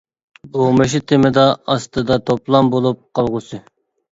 بۇ مۇشۇ تېمىدا ئاستىدا توپلام بولۇپ قالغۇسى.